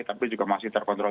tapi juga masih terkontrol